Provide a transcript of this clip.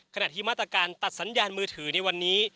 ขณะที่มาตรการตัดสัญญาณมือถือในวันนี้